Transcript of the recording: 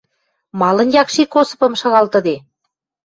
Малын Якшик Осыпым шагалтыде?